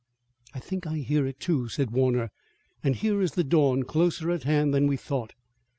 "I think I hear it, too," said Warner, "and here is the dawn closer at hand than we thought.